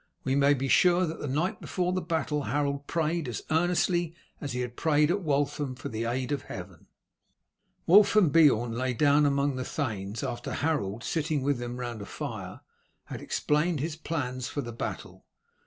We may be sure that the night before the battle Harold prayed as earnestly as he had prayed at Waltham for the aid of Heaven. Wulf and Beorn lay down among the thanes, after Harold, sitting with them round a fire, had explained his plans for the battle.